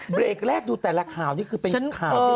เบรกแรกดูแต่ละข่าวนี่คือเป็นข่าวดี